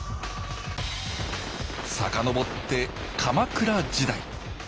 遡って鎌倉時代。